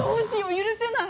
許せない。